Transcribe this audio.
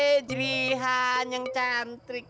eh jerihan yang cantrik